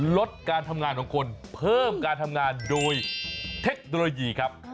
ลดการทำงานของคนเพิ่มการทำงานโดยเทคโนโลยีครับ